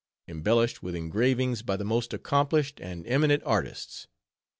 Embellished With Engravings By the Most Accomplished and Eminent Artists.